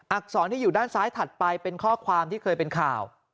อรที่อยู่ด้านซ้ายถัดไปเป็นข้อความที่เคยเป็นข่าว